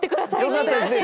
よかったですね。